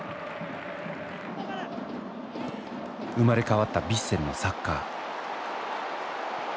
生まれ変わったヴィッセルのサッカー。